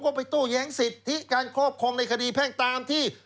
ก็ไปโต้แย้งสิทธิการครอบครองในคดีแพ่งตามที่